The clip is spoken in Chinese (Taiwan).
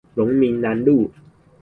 榮民南路